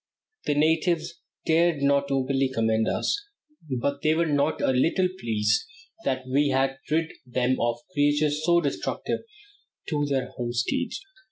The natives dared not openly commend us, but they were not a little pleased that we had rid them of creatures so destructive to their homesteads.